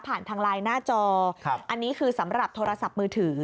ทางไลน์หน้าจออันนี้คือสำหรับโทรศัพท์มือถือ